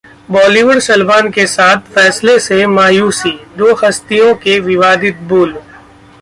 बॉलीवुड सलमान के साथ, फैसले से मायूसी, दो हस्तियों के विवादित बोल